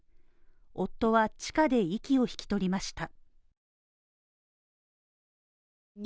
夫は地下で息を引き取りました。